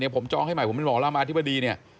ผมจองให้ใหม่ว่าหมอรามอธิบดี